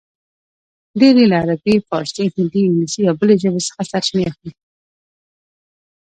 ډېر یې له عربي، فارسي، هندي، انګلیسي یا بلې ژبې څخه سرچینې اخلي